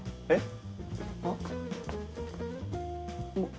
えっ？